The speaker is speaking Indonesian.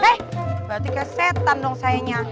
eh berarti kayak setan dong sayanya